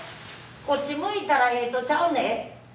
こっち向いたらええんとちゃうで。